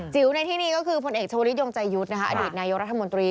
จิ๋วในที่นี้ก็คือผลเอกชวนิจยงไจยุทธ์อดิตนายยกรธรมนตรี